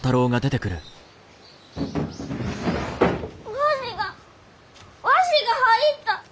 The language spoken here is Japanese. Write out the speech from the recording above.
わしがわしが入った！